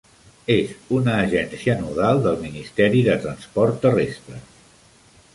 És una agència nodal del Ministeri de Transport Terrestre.